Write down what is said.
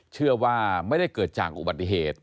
เชื่อว่าไม่ได้เกิดจากอุบัติเหตุ